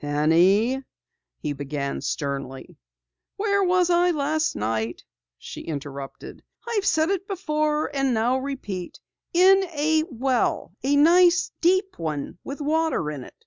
"Penny " he began sternly. "Where was I last night?" she interrupted. "I've said before, and now repeat in a well! A nice deep one with water in it."